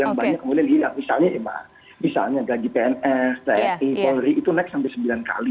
dan banyak kemudian yang misalnya mbak misalnya gaji pns ti polri itu naik sampai sembilan kali